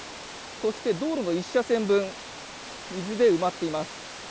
そして道路の１車線分水で埋まっています。